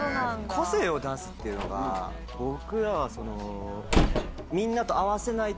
個性を出すっていうのが僕らは。